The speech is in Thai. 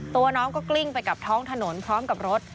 ตัวน้องก็กลิ้งไปกับท้องถนนพร้อมกับรถ